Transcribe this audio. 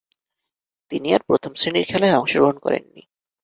তিনি আর প্রথম-শ্রেণীর খেলায় অংশগ্রহণ করেননি।